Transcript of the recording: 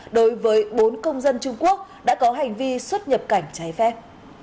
đối với bốn công dân trung quốc đã có hành vi xuất nhập cảnh trái phép